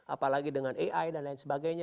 apalagi dengan ai dan lain sebagainya